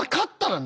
何？